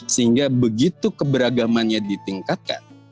sehingga begitu keberagamannya ditingkatkan